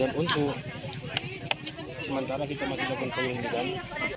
dan untuk sementara kita masih berkembang